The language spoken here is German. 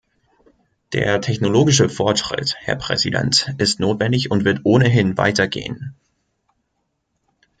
Der technologische Fortschritt, Herr Präsident, ist notwendig und wird ohnehin weitergehen.